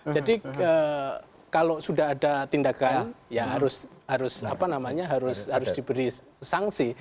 jadi kalau sudah ada tindakan ya harus diberi sanksi